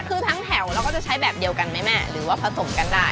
คือทั้งแถวเราก็จะใช้แบบเดียวกันไหมแม่หรือว่าผสมกันได้